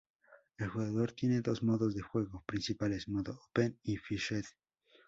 El jugador tiene dos modos de juego principales: Modo "Open" y "Fixed".